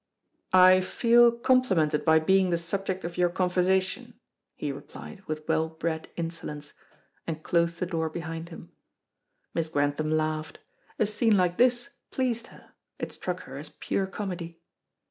"I feel complimented by being the subject of your conversation," he replied with well bred insolence, and closed the door behind him. Miss Grantham laughed. A scene like this pleased her; it struck her as pure comedy.